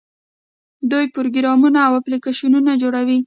دوی پروګرامونه او اپلیکیشنونه جوړوي.